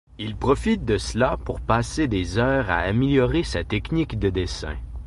Il profite de cela pour passer des heures à améliorer sa technique de dessin.